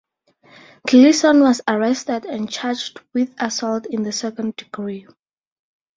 Gleason was arrested and charged with assault in the second degree.